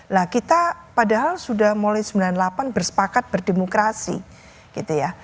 lah kita padahal sudah mulai sembilan puluh delapan bersepakat berdemokrasi gitu ya